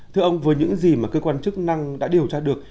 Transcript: thưa ông với những gì mà cơ quan chức năng đã điều tra được